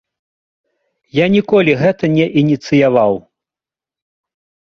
Я ніколі гэта не ініцыяваў.